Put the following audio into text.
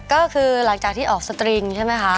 ก็คือหลังจากที่ออกสตริงใช่ไหมคะ